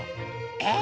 えっ？